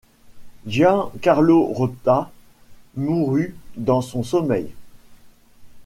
Gian Carlo Rota mourut dans son sommeil.